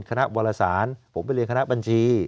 คณะวรสารผมไปเรียนคณะบัญชี